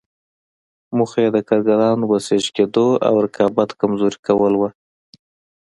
موخه یې د کارګرانو بسیج کېدو او رقابت کمزوري کول وو.